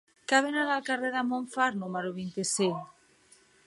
Què venen al carrer dels Montfar número vint-i-cinc?